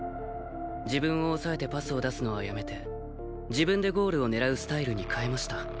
自分を抑えてパスを出すのはやめて自分でゴールを狙うスタイルに変えました。